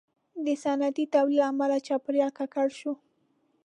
• د صنعتي تولید له امله چاپېریال ککړ شو.